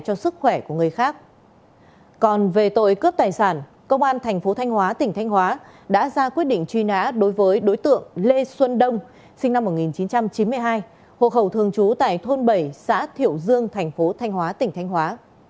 chúng tôi đã ra ra quyết định truy nã đối với đối tượng lê xuân đông sinh năm một nghìn chín trăm chín mươi hai hộ khẩu thường trú tại thôn bảy xã thiệu dương tp thanh hóa tỉnh thanh hóa